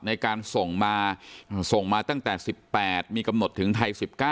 ในการส่งมาส่งมาตั้งแต่สิบแปดมีกำหนดถึงไทยสิบเก้า